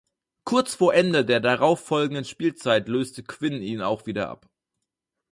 Kurz vor Ende der darauf folgenden Spielzeit löste Quinn ihn auch wieder ab.